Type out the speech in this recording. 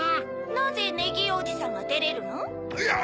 なぜネギーおじさんがてれるの？